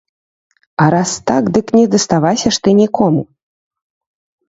А раз так, дык тады не даставайся ж ты нікому!